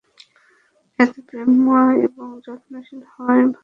এত প্রেমময় এবং যত্নশীল হওয়ার ভান করবেন না।